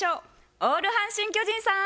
オール阪神・巨人さん！